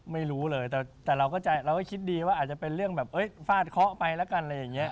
ไม่รู้เลยแต่เราก็คิดดีว่าอาจจะเป็นเรื่องฟาดเคาะไปละกัน